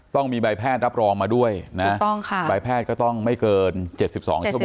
ต้องมีใบแพทย์รับรองมาด้วยนะถูกต้องค่ะใบแพทย์ก็ต้องไม่เกิน๗๒ชั่วโม